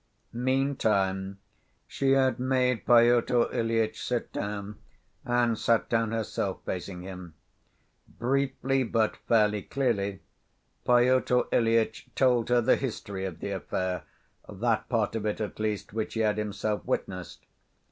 Meantime she had made Pyotr Ilyitch sit down and sat down herself, facing him. Briefly, but fairly clearly, Pyotr Ilyitch told her the history of the affair, that part of it at least which he had himself witnessed.